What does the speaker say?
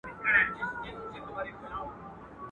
رسنۍ د خلکو نظر بدلوي